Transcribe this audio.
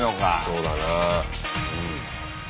そうだな。